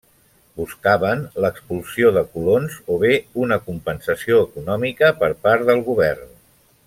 Buscaven l'expulsió de colons o bé una compensació econòmica per part del govern.